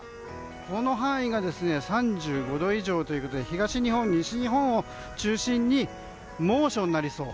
この範囲が３５度以上のということで東日本、西日本を中心に猛暑になりそう。